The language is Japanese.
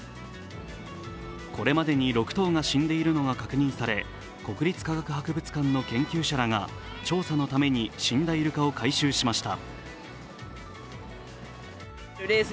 これまでに６頭が死んでいるのが確認され、国立科学博物館の研究者らが調査のために、死んだイルカを回収しました。